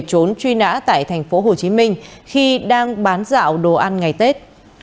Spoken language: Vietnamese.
trốn truy nã tại tp hcm khi đang bán dạo đồ ăn ngày tết